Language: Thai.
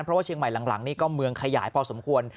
เพราะว่าเชียงใหม่หลังนี่ก็เมืองขยายพอสมควร